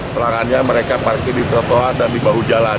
pelanggannya mereka parkir di trotoar dan di bahu jalan